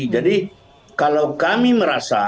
jadi kalau kami merasa